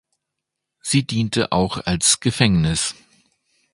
Sie diente auch als Gefängnis.